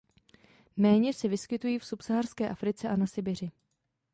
Méně se vyskytují v subsaharské Africe a na Sibiři.